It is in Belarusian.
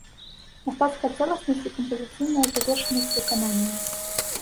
Мастацкая цэласнасць і кампазіцыйная завершанасць выканання.